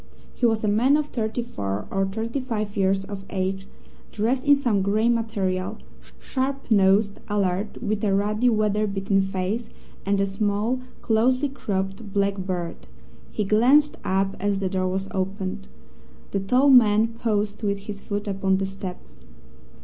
He was a man of thirty four or thirty five years of age, dressed in some grey material, sharp nosed, alert, with a ruddy, weather beaten face, and a small, closely cropped, black beard. He glanced up as the door was opened. The tall man paused with his foot upon the step.